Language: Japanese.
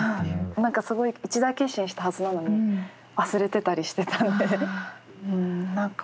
何かすごい一大決心したはずなのに忘れてたりしてたんで何か不思議です。